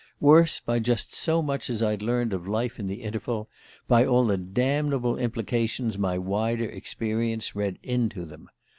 Worse by just so much as I'd learned of life in the interval; by all the damnable implications my wider experience read into them.